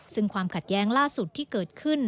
ซึ่งความขัดแย้งล่าสุดที่เกิดขึ้น